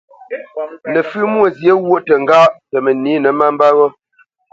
Nəfʉ́ Mwôzyě ghwôʼ təŋgáʼ tə mənǐnə má mbə́ ghó.